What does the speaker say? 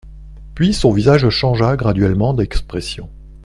Puis son visage changea graduellement d'expression.